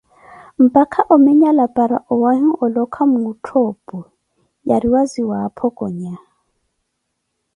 mpakha ominyala para owahi olokha muuttho opu, yariwa ziwaapho conya.